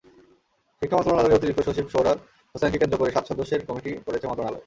শিক্ষা মন্ত্রণালয়ের অতিরিক্ত সচিব সোহরাব হোসাইনকে প্রধান করে সাত সদস্যের কমিটি করেছে মন্ত্রণালয়।